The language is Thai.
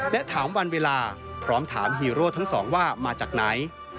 และถามวันเวลาพร้อมถามฮีโร่ทั้งสองว่ามาจากไหน